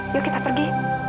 yuk kita pergi